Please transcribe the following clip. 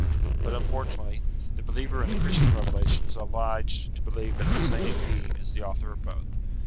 But unfortunately, the believer UTILITY OF RELIGION 113 in the Christian revelation is obliged to believe that the same being is the author of both.